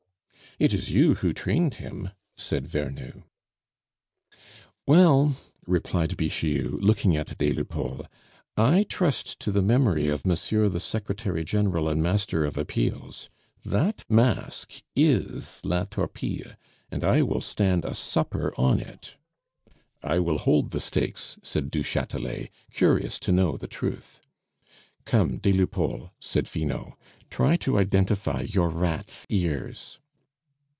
"It is you who trained him," said Vernou. "Well," replied Bixiou, looking at des Lupeaulx, "I trust to the memory of Monsieur the Secretary General and Master of Appeals that mask is La Torpille, and I will stand a supper on it." "I will hold the stakes," said du Chatelet, curious to know the truth. "Come, des Lupeaulx," said Finot, "try to identify your rat's ears."